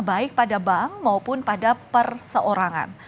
baik pada bank maupun pada perseorangan